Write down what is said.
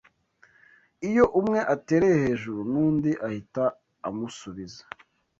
iyo umwe atereye hejuru n’undi ahita amusubiza